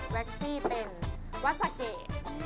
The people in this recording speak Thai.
แท็กซี่เป็นวัสซาเก